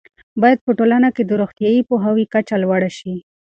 باید په ټولنه کې د روغتیايي پوهاوي کچه لوړه شي.